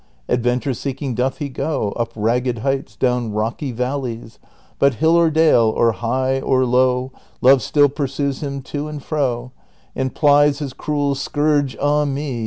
Adventure seeking doth he go Up ragged heights, down rocky valleys, But hill or dale, or high or low. Mishap attendeth all his sallies : Love still pursues him to and fro, And plies his cruel scourge — ah me